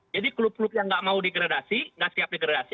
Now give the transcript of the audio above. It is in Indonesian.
jadi klub klub yang tidak mau degradasi tidak siap degradasi